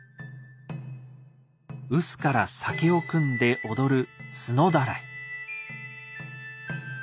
臼から酒をくんで踊る「角だらい」。